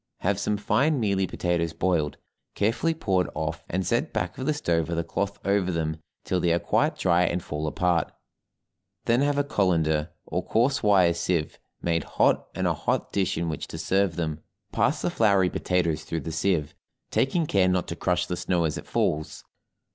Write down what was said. Have some fine mealy potatoes boiled, carefully poured off, and set back of the stove with a cloth over them till they are quite dry and fall apart; then have a colander, or coarse wire sieve made hot and a hot dish in which to serve them, pass the floury potatoes through the sieve, taking care not to crush the snow as it falls.